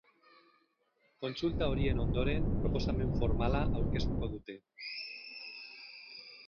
Kontsulta horien ondoren proposamen formala aurkeztuko dute.